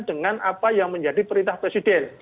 dengan apa yang menjadi perintah presiden